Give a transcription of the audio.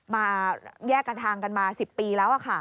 มาแยกกันทางกันมา๑๐ปีแล้ว